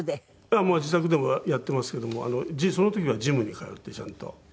まあ自宅でもやってますけどもその時はジムに通ってちゃんと。